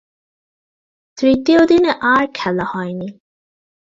তৃতীয় দিনে আর খেলা হয়নি।